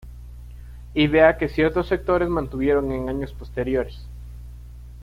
Idea que ciertos sectores mantuvieron en años posteriores.